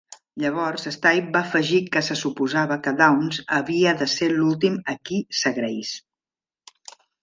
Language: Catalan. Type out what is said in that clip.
Llavors, Stipe va afegir que se suposava que Downs havia de ser l'últim a qui s'agraís.